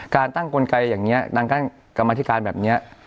การตั้งกลไกอย่างนี้ดังกั้นกรรมธิการแบบนี้